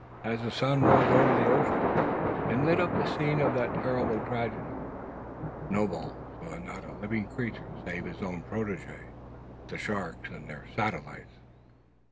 As the sun rose over the ocean, and lit up the scene of that terrible tragedy, Snowball saw not a living creature save his own protege, the sharks, and their satellites.